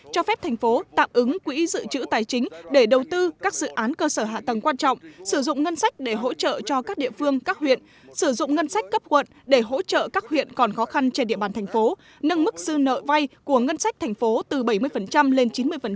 cho phép thành phố tạm ứng quỹ dự trữ tài chính để đầu tư các dự án cơ sở hạ tầng quan trọng sử dụng ngân sách để hỗ trợ cho các địa phương các huyện sử dụng ngân sách cấp quận để hỗ trợ các huyện còn khó khăn trên địa bàn thành phố nâng mức dư nợ vay của ngân sách thành phố từ bảy mươi lên chín mươi